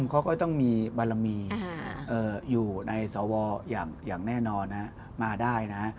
เขาก็ต้องมีบารมีอยู่ในสวอย่างแน่นอนมาได้นะ